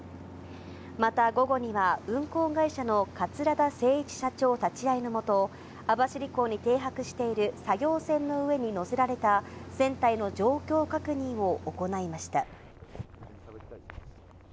また午後には、運航会社の桂田精一社長立ち会いの下、網走港に停泊している作業船の上に載せられた船体の状況確認を行いました。